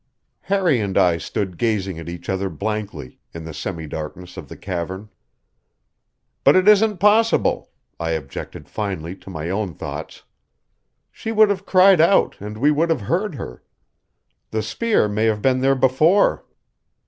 Harry and I stood gazing at each other blankly in the semidarkness of the cavern. "But it isn't possible," I objected finally to my own thoughts. "She would have cried out and we would have heard her. The spear may have been there before."